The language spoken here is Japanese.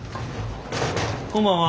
こんばんは。